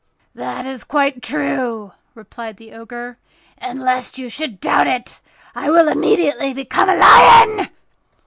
"That is quite true," replied the Ogre; "and lest you should doubt it I will immediately become a lion."